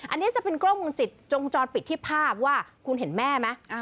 อันนี้จะเป็นกล้องวงจรปิดจงจรปิดที่ภาพว่าคุณเห็นแม่ไหม